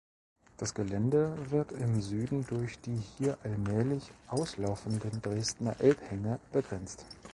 Das Gelände wird im Süden durch die hier allmählich auslaufenden Dresdner Elbhänge begrenzt.